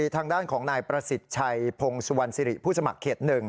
ทางด้านของนายประสิทธิ์ชัยพงศวรรณสิริผู้สมัครเขต๑